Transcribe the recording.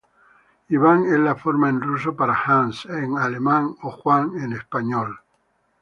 Iván es la forma en ruso para Hans en alemán o Juan en español.